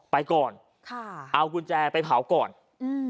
ไปก่อนค่ะเอากุญแจไปเผาก่อนอืม